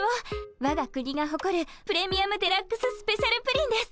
わが国がほこるプレミアムデラックススペシャルプリンです。